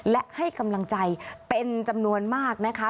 และให้กำลังใจเป็นจำนวนมากนะคะ